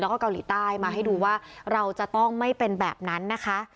แล้วก็เกาหลีใต้มาให้ดูว่าเราจะต้องไม่เป็นแบบนั้นนะคะ